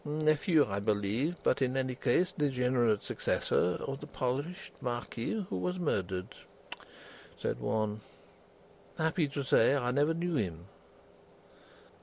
"Nephew, I believe but in any case degenerate successor of the polished Marquis who was murdered," said one. "Happy to say, I never knew him."